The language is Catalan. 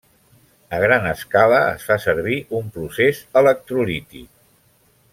A gran escala es fa servir un procés electrolític.